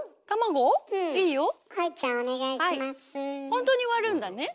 ほんとに割るんだね。